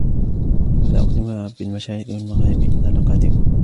فلا أقسم برب المشارق والمغارب إنا لقادرون